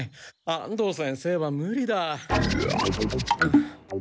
安藤先生はムリだ。